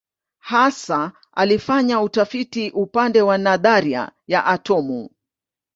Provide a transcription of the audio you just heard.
Hasa alifanya utafiti upande wa nadharia ya atomu.